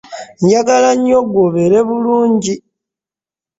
Njagala nnyo gwe obeere bulungi.